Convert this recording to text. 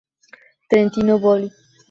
Trentino Volley